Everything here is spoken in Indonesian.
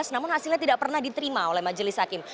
namun hasilnya tidak pernah diterima oleh majelis hakim